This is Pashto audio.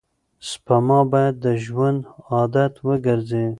سپما باید د ژوند عادت وګرځي.